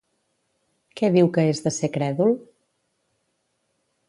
Què diu que és de ser crèdul?